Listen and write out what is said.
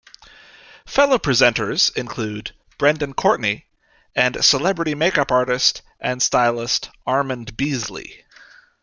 Fellow presenters include Brendan Courtney and celebrity makeup artist and stylist Armand Beasley.